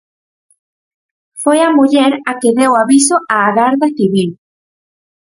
Foi a muller a que deu aviso á Garda Civil.